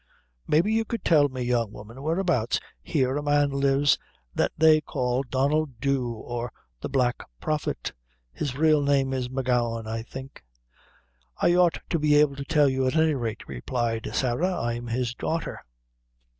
"Maybe you could tell me, young woman, whereabouts here a man lives that they call Donnel Dhu, or the Black Prophet; his real name is M'Gowan, I think." "I ought to be able to tell you, at any rate," replied Sarah; "I'm his daughter."